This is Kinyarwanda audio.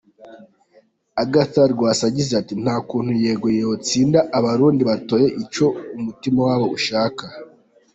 Agathon Rwasa yagize ati: "Nta kuntu 'ego' yotsinda Abarundi batoye ico umutima wabo ushaka.